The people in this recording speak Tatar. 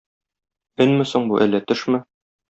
Өнме соң бу, әллә төшме?